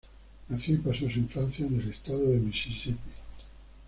Nació y pasó su infancia en el Estado de Misisipi.